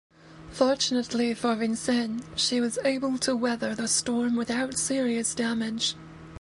Fortunately for "Vincennes", she was able to weather the storm without serious damage.